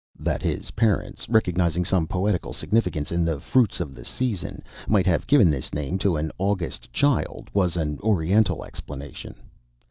That his parents, recognizing some poetical significance in the fruits of the season, might have given this name to an August child, was an oriental explanation.